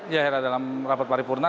ya hera dalam rapat paripurna